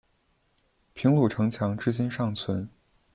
平鲁城墙至今尚存。